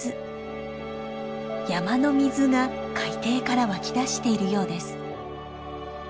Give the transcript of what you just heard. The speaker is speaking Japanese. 山の水が海底から湧き出しているようです。